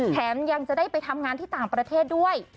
แถมยังจะได้ไปทำงานที่ต่างประเทศด้วย